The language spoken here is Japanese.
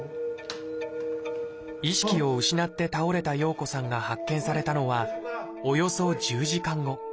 意識を失って倒れた洋子さんが発見されたのはおよそ１０時間後。